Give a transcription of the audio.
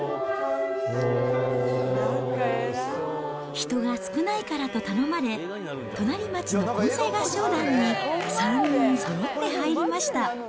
人が少ないからと頼まれ、隣町の混声合唱団に３人そろって入りました。